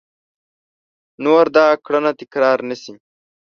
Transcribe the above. نور دا کړنه تکرار نه شي !